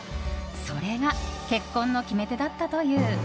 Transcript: それが結婚の決め手だったという。